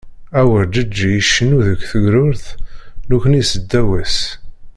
Awerǧeǧǧi icennu deg tegrurt, nekni seddaw-as.